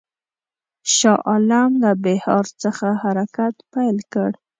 شاه عالم له بیهار څخه حرکت پیل کړ.